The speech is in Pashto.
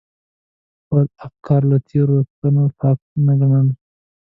خپل افکار له تېروتنو پاک نه ګڼل.